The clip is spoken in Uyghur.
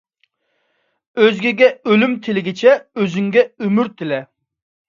ئۆزگىگە ئۆلۈم تىلىگىچە، ئۆزۈڭگە ئۆمۈر تىلە.